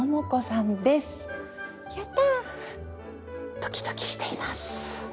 ドキドキしています。